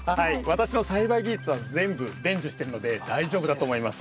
私の栽培技術は全部伝授してるので大丈夫だと思います。